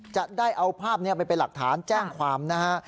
จะได้เอาภาพนี้ไปเป็นหลักฐานแจ้งความนะฮะ